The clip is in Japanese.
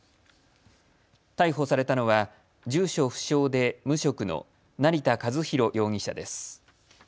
逮捕されたのは住所不詳で無職の成田和弘容疑者です。